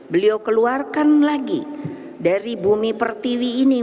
beliau keluarkan lagi dari bumi pertiwi ini